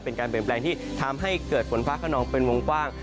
เป็นการเปลี่ยนแปลงที่ทำให้เกิดฝนฟ้าขนองเป็นวงกว้าง